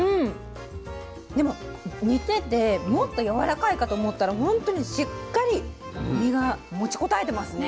でも煮ててもっとやわらかいかと思ったら本当にしっかり実が持ちこたえてますね。